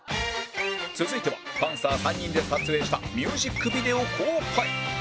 続いてはパンサー３人で撮影したミュージックビデオ公開